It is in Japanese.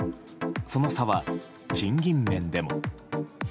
その差は、賃金面でも。